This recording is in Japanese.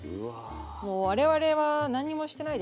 もう我々は何にもしてないですからね。